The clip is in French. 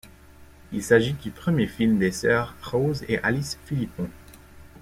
Il s'agit du premier film des sœurs Rose et Alice Philippon.